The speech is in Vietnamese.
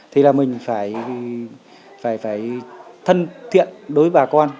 thì là mình phải thân thiện đối với bà con